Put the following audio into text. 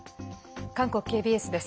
韓国ＫＢＳです。